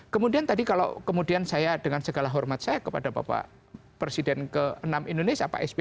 kemudian tadi kalau kemudian saya dengan segala hormat saya kepada bapak presiden ke enam indonesia pak sby